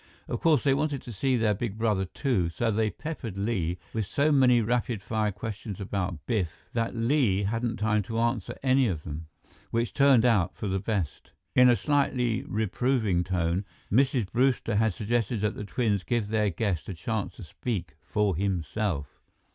Of course, they wanted to see their big brother, too, so they peppered Li with so many rapid fire questions about Biff that Li hadn't time to answer any of them, which turned out for the best. In a slightly reproving tone, Mrs. Brewster had suggested that the twins give their guest a chance to speak for himself.